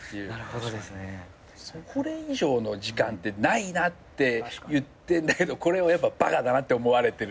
これ以上の時間ってないなって言ってんだけどこれはバカだなって思われてるっていうか。